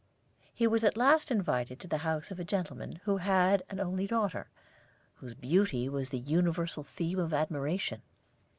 He was at last invited to the house of a gentleman who had an only daughter, whose beauty was the universal theme of admiration.